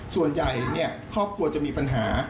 ส่วนใหญ่ครอบครัวจะมีปัญหา